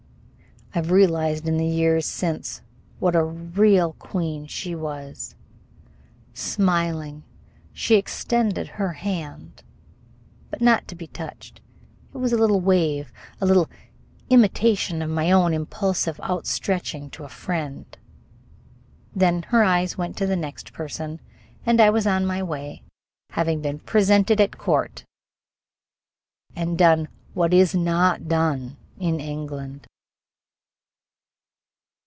I have realized in the years since what a real queen she was. Smiling, she extended her hand but not to be touched. It was a little wave, a little imitation of my own impulsive outstretching to a friend; then her eyes went to the next person, and I was on my way, having been presented at court and done what "is not done" in England.